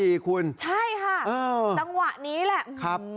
ใช่ค่ะแต่ว่านี้แหละ